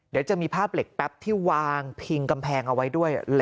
เดี๋ยวจะมีภาพเหล็กแป๊บที่วางพิงกำแพงเอาไว้ด้วย